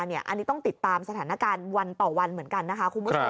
อันนี้ต้องติดตามสถานการณ์วันต่อวันเหมือนกันนะคะคุณผู้ชม